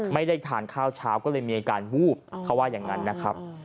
ไม่ได้ทานข้าวเช้าก็เลยมีอาการวูบเขาว่าอย่างนั้นนะครับ